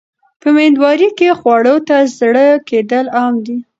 په مېندوارۍ کې خواړو ته زړه کېدل عام دي.